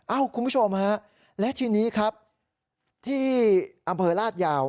คุณผู้ชมฮะและทีนี้ครับที่อำเภอลาดยาว